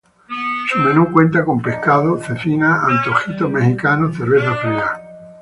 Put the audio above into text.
Su menú cuenta con pescado, cecina, antojitos mexicanos, cerveza fría.